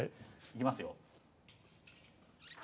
いきますよ。